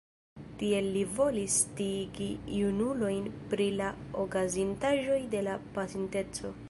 Tiel li volis sciigi junulojn pri la okazintaĵoj de la pasinteco.